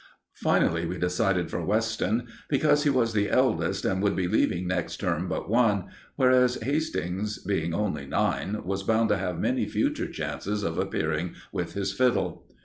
Finally we decided for Weston, because he was the eldest, and would be leaving next term but one, whereas Hastings, being only nine, was bound to have many future chances of appearing with his fiddle.